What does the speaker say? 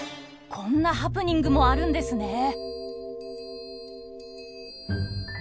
こんなハプニングもあるんですね。